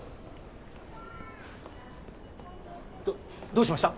どどうしました？